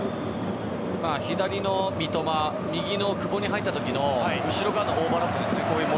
左の三笘、久保に入ったときの後ろからのオーバーラップですね。